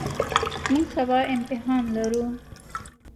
موږ سبا امتحان لرو.